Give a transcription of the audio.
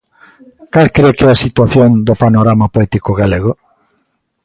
Cal cre que é a situación do panorama poético galego?